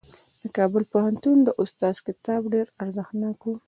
د کابل پوهنتون د استاد کتاب ډېر ارزښتناک و.